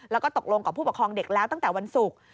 แล้วก็ตกลงกับผู้ปกครองเด็กแล้วตั้งแต่วันศุกร์